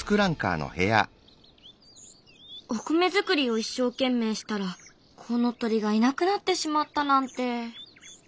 お米作りを一生懸命したらコウノトリがいなくなってしまったなんて。